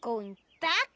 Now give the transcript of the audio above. だって。